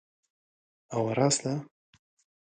ئەوە ڕاستە؟